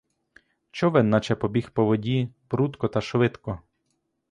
Човен наче побіг по воді прудко та швидко.